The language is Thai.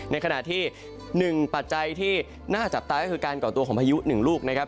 ในขณะที่๑ปัจจัยที่น่าจับตาก็คือการก่อตัวของพายุ๑ลูกนะครับ